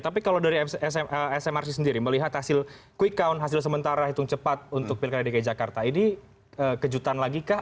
tapi kalau dari smrc sendiri melihat hasil quick count hasil sementara hitung cepat untuk pilkada dki jakarta ini kejutan lagi kah